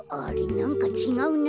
なんかちがうな。